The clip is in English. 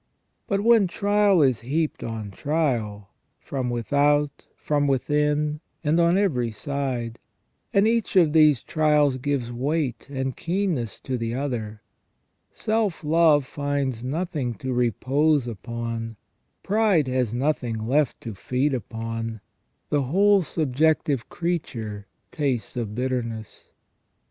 But when trial is heaped on trial, from with out, from within, and on every side, and each of these trials gives weight and keenness to the other, self love finds nothing to repose upon, pride has nothing left to feed upon, the whole subjective creature tastes of bitterness.